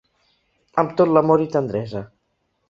Amb tot l’amor i tendresa.